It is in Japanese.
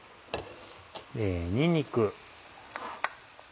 にんにく。